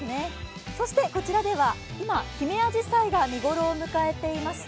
そしてこちらでは、今、ヒメアジサイが見ごろを迎えています。